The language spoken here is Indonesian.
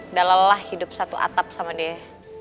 udah lelah hidup satu atap sama dia